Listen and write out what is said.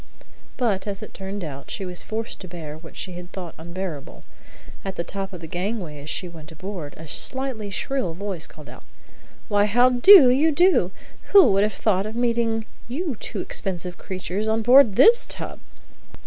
But, as it turned out, she was forced to bear what she had thought unbearable. At the top of the gangway as she went on board, a slightly shrill voice called out, "Why, how do you do! Who would ever have thought of meeting you two expensive creatures on board this tub?"